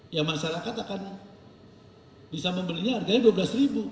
ya masyarakat akan bisa membelinya harganya dua belas